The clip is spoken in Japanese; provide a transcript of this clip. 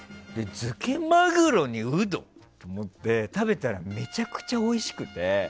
漬けマグロにウド？って思って食べたらめちゃくちゃおいしくて。